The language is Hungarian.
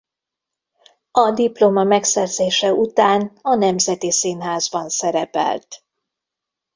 A diploma megszerzése után a Nemzeti Színházban szerepelt.